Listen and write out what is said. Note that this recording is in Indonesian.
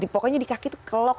pokoknya di kaki tuh kelok kok